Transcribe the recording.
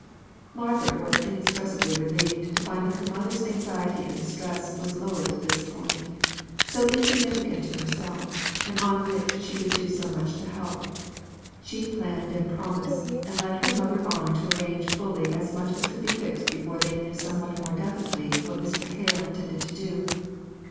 Margaret was inexpressibly relieved to find that her mother's anxiety and distress was lowered to this point, so insignificant to herself, and on which she could do so much to help. She planned and promised, and led her mother on to arrange fully as much as could be fixed before they knew somewhat more definitely what Mr. Hale intended to do.